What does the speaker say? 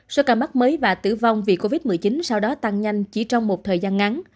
số ca mắc mới và tử vong vì covid một mươi chín sau đó tăng nhanh chỉ trong một thời gian ngắn